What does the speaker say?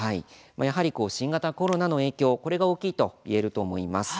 やはり新型コロナの影響が大きいといえると思います。